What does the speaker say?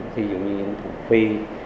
ví dụ như thùng phi